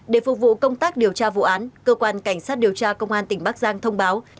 để phục vụ công tác điều tra vụ án cơ quan cảnh sát điều tra công an tỉnh bắc giang thông báo